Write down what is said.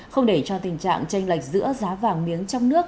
không để cho tình trạng tranh lệch giữa giá vàng miếng trong nước